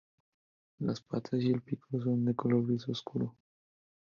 Las patas y el pico son de color gris oscuro.